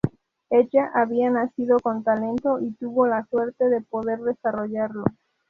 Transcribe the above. Ella había nacido con talento y tuvo la suerte de poder desarrollarlo.